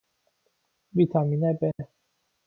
ویتامین ب